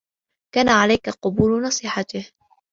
كان عليك قبول نصيحته.